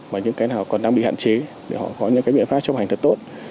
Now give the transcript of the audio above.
và những cái nào còn đang bị hạn chế để họ có những biện pháp chấp hành thật tốt